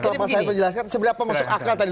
kalau bang said menjelaskan